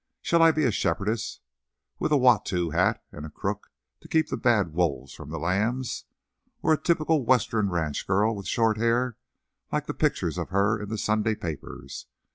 Shall I be a shepherdess with a Watteau hat, and a crook to keep the bad wolves from the lambs, or a typical Western ranch girl, with short hair, like the pictures of her in the Sunday papers?